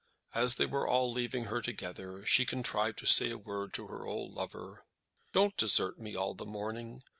As they were all leaving her together, she contrived to say a word to her old lover. "Don't desert me all the morning.